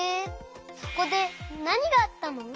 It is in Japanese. そこでなにがあったの？